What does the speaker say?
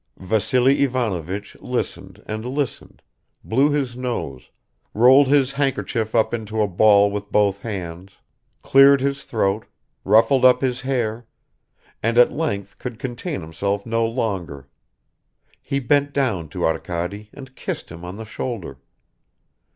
Vassily Ivanovich listened and listened, blew his nose, rolled his handkerchief up into a ball with both hands, cleared his throat, ruffled up his hair and at length could contain himself no longer; he bent down to Arkady and kissed him on the shoulder.